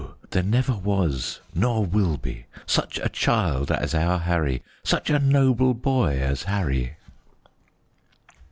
there never was, nor will be Such a child as our Harry, Such a noble boy as Harry."